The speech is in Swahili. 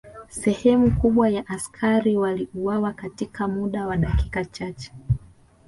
Sehemu kubwa ya askari waliuawa katika muda wa dakika chache